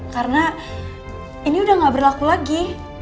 karena ini udah gak berlaku lagi